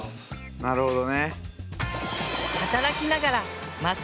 なるほどね。